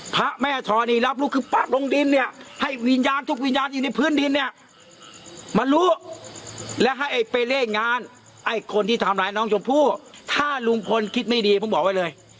พระแม่ธรณีรับรู้คือป๊ะลงดินเนี่ยให้วิญญาณทุกวิญญาณอยู่ในพื้นดินเนี่ยมารู้และให้ไปเล่นงานไอ้คนที่ทำร้ายน้องชมพู่ถ้าลุงพลคิดไม่ดีผมบอกไว้เลย